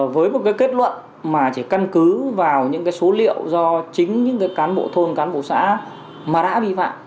với một cái kết luận mà chỉ căn cứ vào những số liệu do chính những cán bộ thôn cán bộ xã mà đã vi phạm